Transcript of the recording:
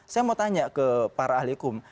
saya mau tanya ke para ahli hukum